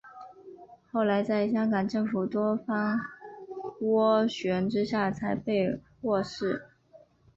后来在香港政府多方斡旋之下才被获释。